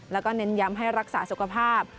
แล้วก็เน้นย้ำให้รักษาสุขภาพ